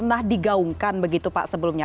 pernah digaungkan begitu pak sebelumnya